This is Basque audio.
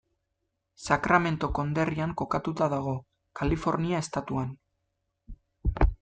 Sacramento konderrian kokatuta dago, Kalifornia estatuan.